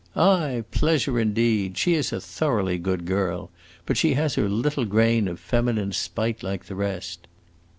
"Ay, pleasure indeed! She is a thoroughly good girl, but she has her little grain of feminine spite, like the rest.